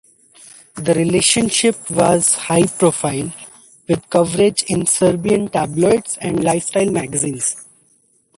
The relationship was high profile with coverage in Serbian tabloids and lifestyle magazines.